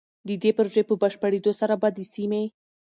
د دې پروژې په بشپړېدو سره به د سيمې